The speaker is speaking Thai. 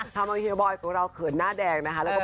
ทำให้เฮียวบอยของเราเขินหน้าแดง